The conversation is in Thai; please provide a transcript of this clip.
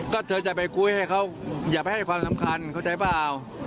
ก็เธอจะไปคุยให้เขาอย่าไปให้ความสำคัญเข้าใจเปล่า